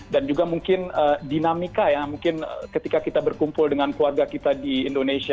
dan juga mungkin dinamika ya mungkin ketika kita berkumpul dengan keluarga kita di indonesia